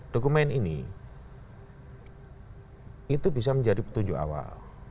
dokumen ini itu bisa menjadi petunjuk awal